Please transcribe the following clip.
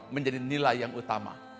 menjadi nilai yang utama